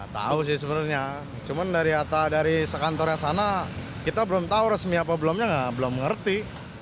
tahu sih sebenarnya cuma dari sekantornya sana kita belum tahu resmi apa belumnya belum mengerti